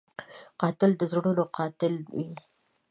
قاتل د زړونو قاتل وي